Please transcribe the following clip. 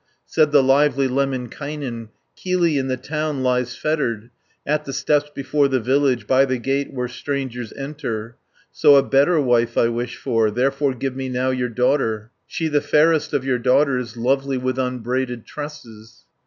Said the lively Lemminkainen, "Kylli in the town lies fettered, At the steps before the village, By the gate where strangers enter, So a better wife I wish for, Therefore give me now your daughter, 20 She the fairest of your daughters, Lovely with unbraided tresses."